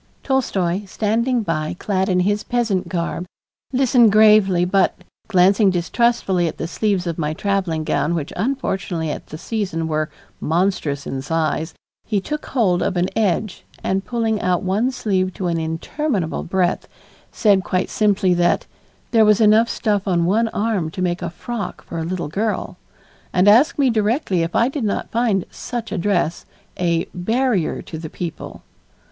Tolstoy, standing by clad in his peasant garb, listened gravely but, glancing distrustfully at the sleeves of my traveling gown which unfortunately at that season were monstrous in size, he took hold of an edge and pulling out one sleeve to an interminable breadth, said quite simply that "there was enough stuff on one arm to make a frock for a little girl," and asked me directly if I did not find "such a dress" a "barrier to the people."